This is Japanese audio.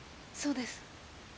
そうです。